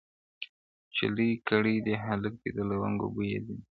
چي لوی کړی دي هلک دی د لونګو بوی یې ځینه-